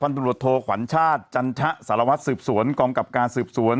พันตุรอบโทขวัญชาติจันทะสารวัฒน์สืบสวนกองกลับการสืบสวน